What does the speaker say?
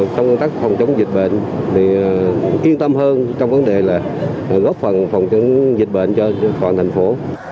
công tác phòng chống dịch bệnh thì yên tâm hơn trong vấn đề là góp phần phòng chống dịch bệnh cho toàn thành phố